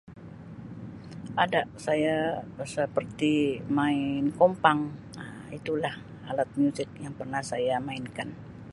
Ada saya seperti Um main kompang Um itulah alat muzik yang pernah saya mainkan.